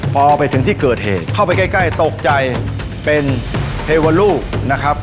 พอไปถึงที่เกิดเหตุเข้าไปใกล้ตกใจเป็นเทวลูกนะครับ